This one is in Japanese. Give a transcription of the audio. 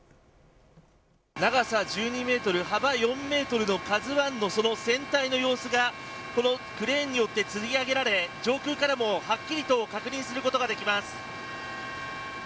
長さ１２メートル幅４メートルのＫＡＺＵ１のその船体の様子がこのクレーンによってつり上げられ上空からもはっきりと確認することができます。